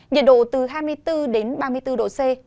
nhiệt độ từ hai mươi bốn đến ba mươi bốn độ c